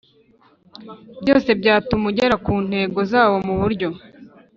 byose byatuma ugera ku ntego zawo mu buryo